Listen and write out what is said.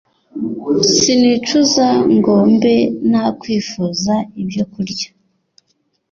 Sinicuza ngo mbe nakwifuza ibyokurya